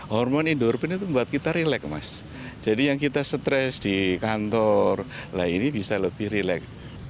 hormon endorfin itu membuat kita rilek jadi yang kita stres di kantor ini bisa lebih rilek